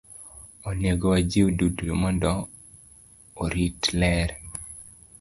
Onego wajiw ji duto mondo orit ler.